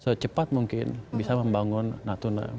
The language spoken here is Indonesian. secepat mungkin bisa membangun natuna